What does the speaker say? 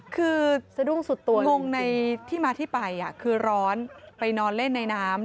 คืองงในที่มาที่ไปอะคือร้อนไปนอนเล่นในน้ำ